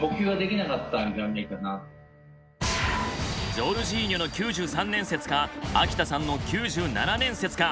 ジョルジーニョの「９３年説」か秋田さんの「９７年説」か。